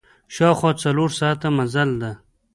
شاوخوا څلور ساعته مزل ده.